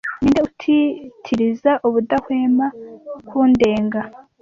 ninde utitiriza ubudahwema kundenga